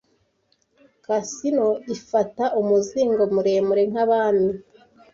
Casinos ifata umuzingo muremure nkabami.